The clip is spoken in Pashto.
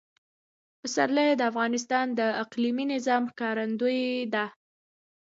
پسرلی د افغانستان د اقلیمي نظام ښکارندوی ده.